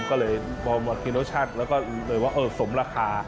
ก็เลยมอเมอร์กิโนชัตแล้วก็โหยวะเอ่อสมราคา